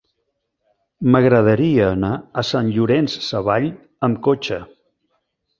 M'agradaria anar a Sant Llorenç Savall amb cotxe.